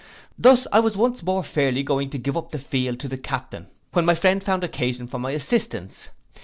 Thus I was once more fairly going to give up the field to the captain, when my friend found occasion for my assistance.